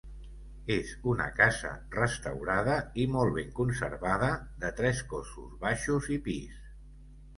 És una casa restaurada i molt ben conservada, de tres cossos, baixos i pis.